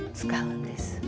使うんです。